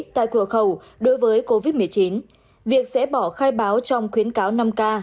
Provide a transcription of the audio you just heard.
tại cửa khẩu đối với covid một mươi chín việc sẽ bỏ khai báo trong khuyến cáo năm k